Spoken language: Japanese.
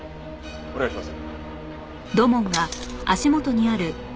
お願いします。